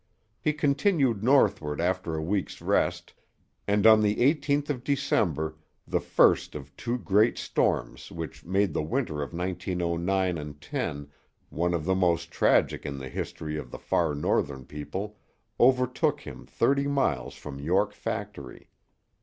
He continued northward after a week's rest, and on the eighteenth of December the first of the two great storms which made the winter of 1909 10 one of the most tragic in the history of the far northern people overtook him thirty miles from York Factory.